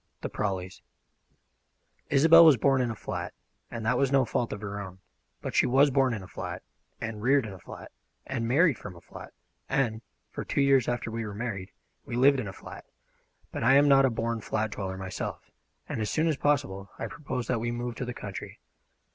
THE PRAWLEYS ISOBEL was born in a flat, and that was no fault of her own; but she was born in a flat, and reared in a flat, and married from a flat, and, for two years after we were married, we lived in a flat; but I am not a born flat dweller myself, and as soon as possible I proposed that we move to the country.